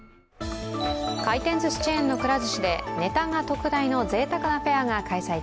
回転ずしチェーンのくら寿司で、ネタが特大のぜいたくなフェアが開催中。